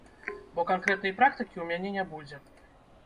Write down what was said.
Бо канкрэтнай практыкі ў мяне не будзе.